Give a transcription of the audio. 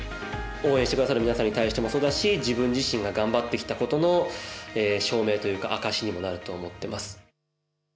応援してくださる皆さんに対してもそうだし自分自身が頑張ってきたことの証明というか証しにもなると思っています。